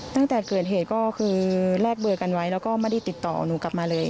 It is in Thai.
ตั้งแต่เกิดเหตุก็คือแลกเบอร์กันไว้แล้วก็ไม่ได้ติดต่อหนูกลับมาเลย